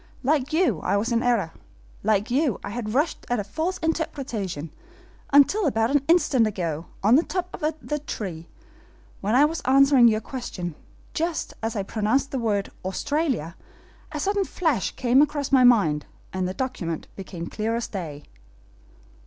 Like you, I was in error; like you, I had rushed at a false interpretation, until about an instant ago, on the top of the tree, when I was answering your questions, just as I pronounced the word 'Australia,' a sudden flash came across my mind, and the document became clear as day."